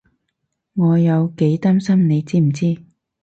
我有幾擔心你知唔知？